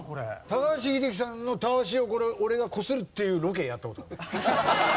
高橋英樹さんのたわしをこれ俺がこするっていうロケやった事ある。